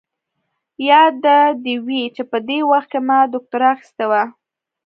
ياده دې وي چې په دې وخت کې ما دوکتورا اخيستې وه.